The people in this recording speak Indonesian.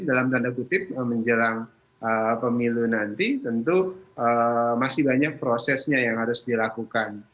dalam tanda kutip menjelang pemilu nanti tentu masih banyak prosesnya yang harus dilakukan